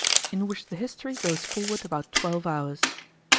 IN WHICH THE HISTORY GOES FORWARD ABOUT TWELVE HOURS.